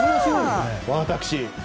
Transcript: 私。